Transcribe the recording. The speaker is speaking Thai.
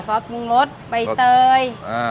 ซอสปรุงรสใบเตย